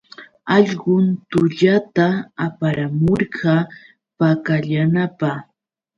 Allqun tullata aparamurqa pakallapa.